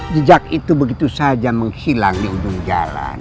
jejak itu begitu saja menghilang di ujung jalan